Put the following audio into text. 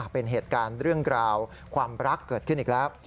เป็นเหตุการณ์เรื่องกล่าวความรักเกิดขึ้นอีกแล้ว